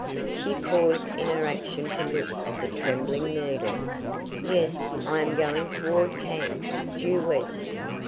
She paused in her action to look at the trembling needle. "Yes, I am going toward camp due east."